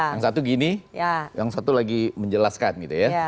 yang satu gini yang satu lagi menjelaskan gitu ya